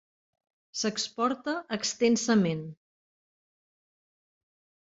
S'exporta extensament.